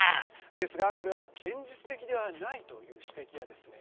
ですが、これは現実的ではないという指摘はですね